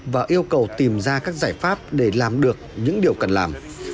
và yêu cầu tìm ra các giải pháp để làm được những điều cần làm